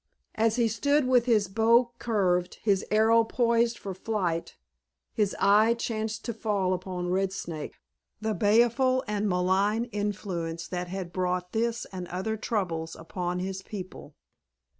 As he stood with his bow curved, his arrow poised for flight, his eye chanced to fall upon Red Snake, the baleful and malign influence that had brought this and other troubles upon his people.